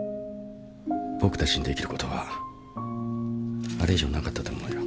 僕たちにできることはあれ以上なかったと思うよ。